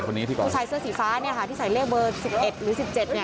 ที่บอกผู้ชายเสื้อสีฟ้าที่ใส่เลขเบอร์๑๑หรือ๑๗